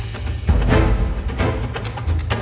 gak ada keren kerennya